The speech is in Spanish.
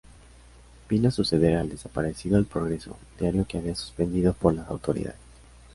Vino a suceder al desaparecido "El Progreso", diario que había suspendido por las autoridades.